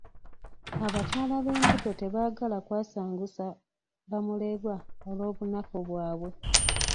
Abakyala b'embuto tebaagala kwasanguza ba mulerwa olw'obunafu bwabwe.